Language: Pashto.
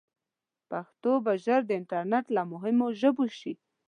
پښتو به ژر د انټرنیټ له مهمو ژبو شي.